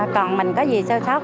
còn mình có gì sơ sót